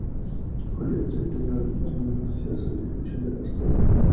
Julio C. Tello realizó una minuciosa descripción de la Estela.